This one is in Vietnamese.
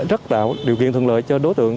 rất đạo điều kiện thường lợi cho đối tượng